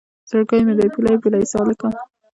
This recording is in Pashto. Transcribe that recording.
زړګی مې دی پولۍ پولۍ سالکه